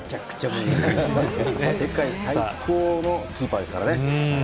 相手は世界最高のキーパーですからね。